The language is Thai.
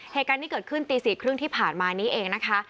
เหตุการณ์นี้เกิดขึ้นตี๔๓๐ที่ผ่านมานี้เองนะคะ